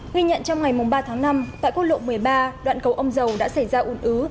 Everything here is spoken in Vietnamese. ghi nhận trong ngày ba tháng năm tại quốc lộ một mươi ba đoạn cầu ông dầu đã xảy ra ủn ứ